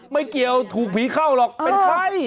ไม่เกี่ยวถูกผีเข้าหรอกเป็นไข้